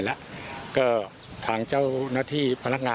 แบบปึ้ง